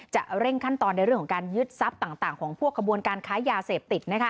จะเร่งขั้นตอนในเรื่องของการยึดทรัพย์ต่างของพวกกระบวนการค้ายาเสพติด